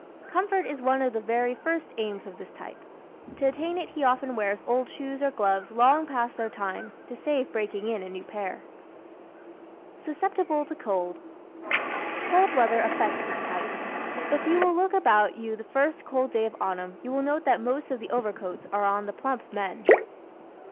Comfort is one of the very first aims of this type. To attain it he often wears old shoes or gloves long past their time to save breaking in a new pair. Susceptible to Cold ¶ Cold weather affects this type. If you will look about you the first cold day of autumn you will note that most of the overcoats are on the plump men.